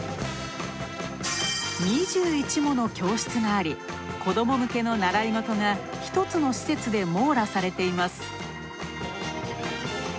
２１もの教室があり、子ども向けの習い事が一つの施設で網羅されています。